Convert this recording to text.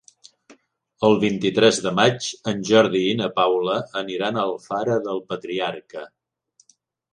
El vint-i-tres de maig en Jordi i na Paula aniran a Alfara del Patriarca.